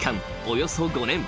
およそ５年］